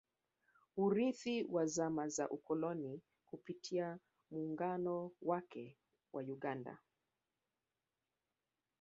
Urithi wa zama za ukoloni Kupitia muungano wake wa Uganda